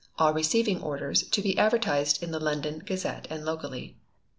All receiving orders to be advertised in the London Gazette and locally.